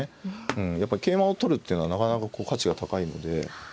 やっぱり桂馬を取るっていうのはなかなかこう価値が高いので。